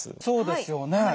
そうですよね。